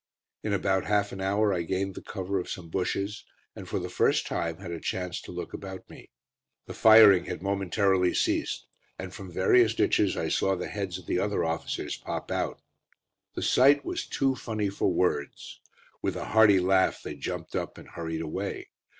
In about half an hour I gained the cover of some bushes, and for the first time had a chance to look about me. The firing had momentarily ceased, and from various ditches I saw the heads of the other officers pop out. The sight was too funny for words. With a hearty laugh they jumped up and hurried away.